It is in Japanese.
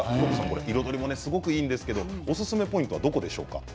彩りもすごくいいんですけどおすすめポイントはどこでしょうか？